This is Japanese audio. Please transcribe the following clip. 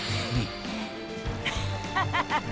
ッハハハハ！